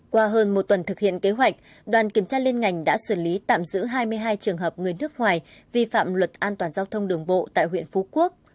qua hơn một tuần thực hiện kế hoạch đoàn kiểm tra liên ngành đã xử lý tạm giữ hai mươi hai trường hợp người nước ngoài vi phạm luật an toàn giao thông đường bộ tại huyện phú quốc